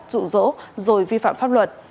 trụ rỗ rồi vi phạm pháp luật